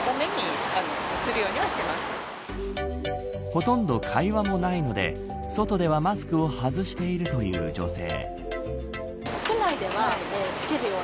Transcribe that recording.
ほとんど会話もないので外ではマスクを外しているという女性。